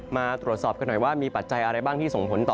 มาตรวจสอบกันหน่อยว่ามีปัจจัยอะไรบ้างที่ส่งผลต่อ